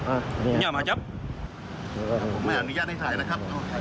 ไม่อยากมีอนุญาตในถ่ายนะครับ